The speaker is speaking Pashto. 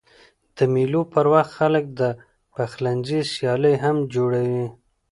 د مېلو پر وخت خلک د پخلنځي سیالۍ هم جوړوي.